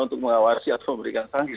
untuk mengawasi atau memberikan sanksi